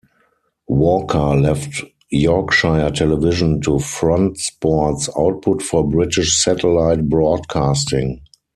Walker left Yorkshire Television to front sports output for British Satellite Broadcasting.